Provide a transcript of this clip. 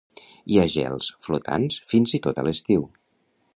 Hi ha gels flotants fins i tot a l'estiu.